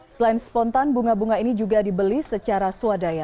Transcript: selain spontan bunga bunga ini juga dibeli secara swadaya